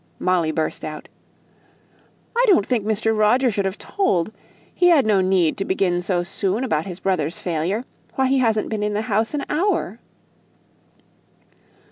Molly burst out, "I don't think Mr. Roger should have told; he had no need to begin so soon about his brother's failure. Why, he hasn't been in the house an hour!"